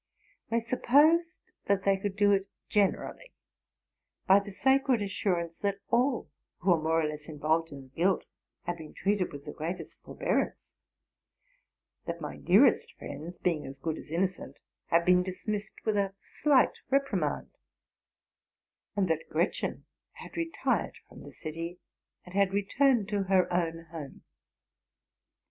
They supposed that they could do it generally by the sacred assurance that all who were more or less involved in the guilt had been treated with the great est forbearance ; that my nearest friends, being as good as innocent, had been dismissed with a slight reprimand ; and that Gretchen had retired from the city, and had returned to her own home.